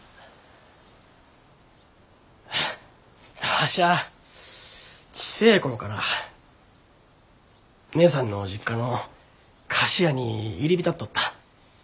ハッわしゃあ小せえ頃から義姉さんの実家の菓子屋に入り浸っとった。